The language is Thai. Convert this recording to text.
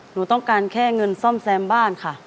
หนูต้องการแค่เงินซ่อมแซมบ้านค่ะ